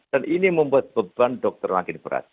dan ini membuat beban dokter makin berat